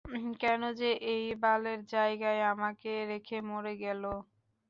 কেন যে এই বালের জায়গায় আমাকে রেখে মরে গেল?